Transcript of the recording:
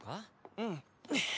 うん。